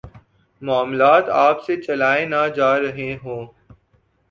معاملات آپ سے چلائے نہ جا رہے ہوں۔